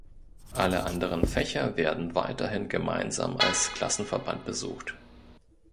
Alle anderen Fächer werden weiterhin gemeinsam als Klassenverband besucht.